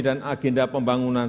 dan agenda pembangunan